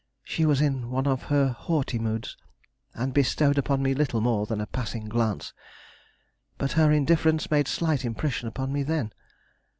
She was in one of her haughty moods, and bestowed upon me little more than a passing glance. But her indifference made slight impression upon me then.